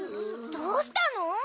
どうしたの？